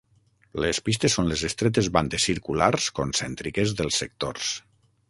Les pistes són les estretes bandes circulars concèntriques dels sectors.